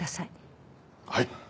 はい。